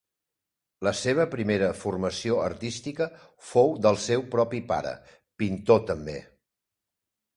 La seva primera formació artística fou del seu propi pare, pintor també.